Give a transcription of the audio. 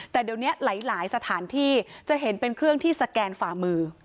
แต่เดี๋ยวนี้หลายสถานที่จะเห็นเป็นเครื่องที่สแกนฝ่ามือ